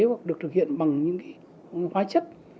hoặc được thực hiện bằng những hóa chất